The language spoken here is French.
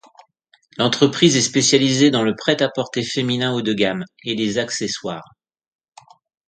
L’entreprise est spécialisée dans le prêt-à-porter féminin haut de gamme et les accessoires.